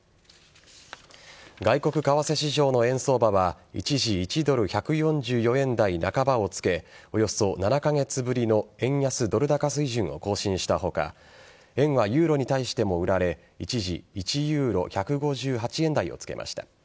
外国為替市場の円相場は一時１ドル１４４円台半ばをつけおよそ７カ月ぶりの円安ドル高水準を更新した他円はユーロに対しても売られ一時１ユーロ１５８円台をつけました。